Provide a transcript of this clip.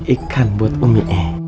ikan buat umi